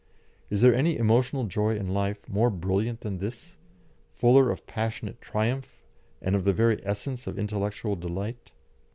Is there any emotional joy in life more brilliant than this, fuller of passionate triumph, and of the very essence of intellectual delight?